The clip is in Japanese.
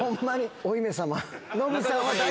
お姫様！